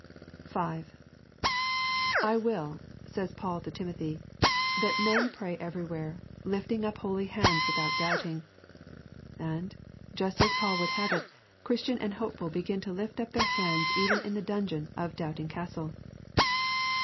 5. 'I will,' says Paul to Timothy, 'that men pray everywhere, lifting up holy hands without doubting.' And, just as Paul would have it, Christian and Hopeful began to lift up their hands even in the dungeon of Doubting Castle.